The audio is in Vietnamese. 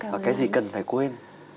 và cái gì cần phải quên